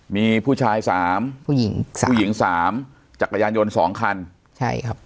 มีผู้ชายสามผู้หญิงสามผู้หญิงสามจักรยานยนต์สองคันใช่ครับ